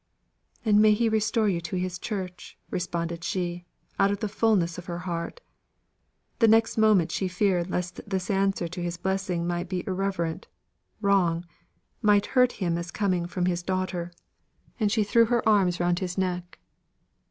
"And may He restore you to His Church," responded she, out of the fulness of her heart. The next moment she feared lest this answer to his blessing might be irreverent, wrong might hurt him as coming from his daughter, and she threw her arms round his neck.